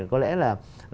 có lẽ là